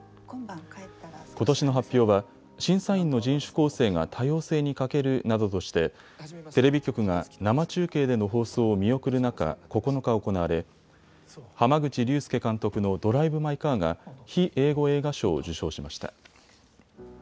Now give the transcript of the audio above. ことしの発表は審査員の人種構成が多様性に欠けるなどとしてテレビ局が生中継での放送を見送る中、９日行われ濱口竜介監督のドライブ・マイ・カーが非英語映画賞を受賞しました。